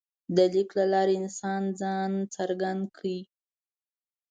د لیک له لارې انسان ځان څرګند کړ.